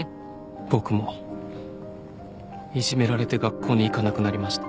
僕もいじめられて学校に行かなくなりました。